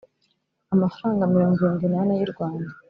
Amafaranga mirongo irindwi n’ ane y’ u Rwanda